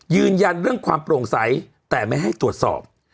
ยืนยันเรื่องความโปร่งใสแต่ไม่ให้ตรวจสอบ